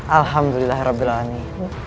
alhamdulillah rabbul alamin